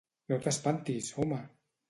No t'espantis, home!